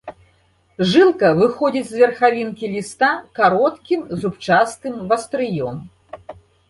Жылка выходзіць з верхавінкі ліста кароткім зубчастым вастрыём.